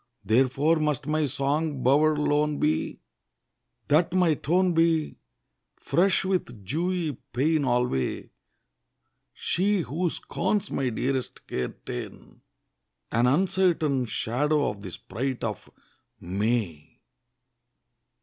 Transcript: Therefore must my song bower lone be, That my tone be Fresh with dewy pain alway; She, who scorns my dearest care ta'en, An uncertain Shadow of the sprite of May.